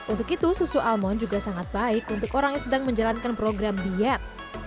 untuk itu susu almon juga sangat baik untuk orang yang sedang menjalankan program diet